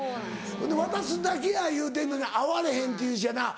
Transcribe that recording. ほんで渡すだけや言うてんのに会われへんって言うしやな。